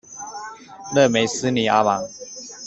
勒梅斯尼阿芒。